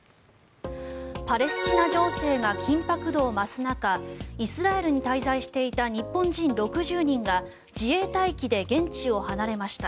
パレスチナ情勢が緊迫度を増す中イスラエルに滞在していた日本人６０人が自衛隊機で現地を離れました。